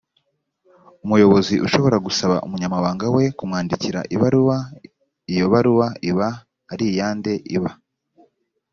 umuyobozi ashobora gusaba umunyamabanga we kumwandikira ibaruwa iyo baruwa iba ari iya nde iba